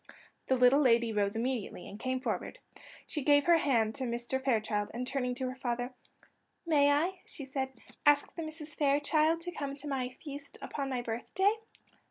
The little lady rose immediately, and came forward; she gave her hand to Mr. Fairchild, and turning to her father: "May I," she said, "ask the Misses Fairchild to come to my feast upon my birthday?"